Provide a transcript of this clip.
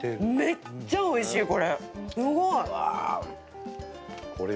めっちゃおいしい、これ！